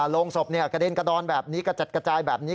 โรงศพกระเด็นกระดอนแบบนี้กระจัดกระจายแบบนี้